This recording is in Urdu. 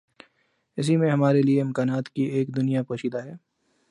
اسی میں ہمارے لیے امکانات کی ایک دنیا پوشیدہ ہے۔